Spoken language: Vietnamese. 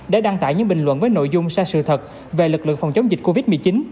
để đăng tải những bình luận với nội dung sai sự thật về lực lượng phòng chống dịch covid một mươi chín